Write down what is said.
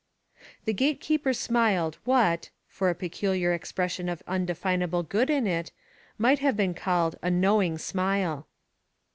The gate keeper smiled what, but for a peculiar expression of undefinable good in it, might have been called a knowing smile.